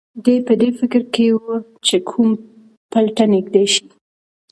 دی په دې فکر کې و چې کوم پل ته نږدې شي.